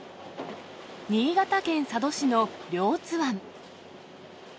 新潟県佐渡市の両津湾。